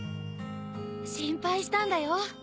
心配したんだよ。